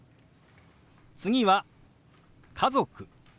次は「家族」。